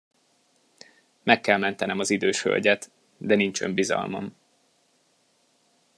Meg kell mentenem az idős hölgyet, de nincs önbizalmam.